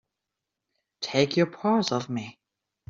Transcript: Take your paws off me!